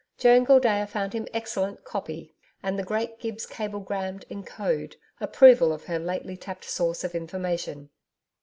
Joan Gildea found him excellent 'copy,' and the great Gibbs cablegrammed, in code, approval of her lately tapped source of information.